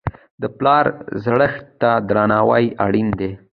د پلار زړښت ته درناوی اړین دی.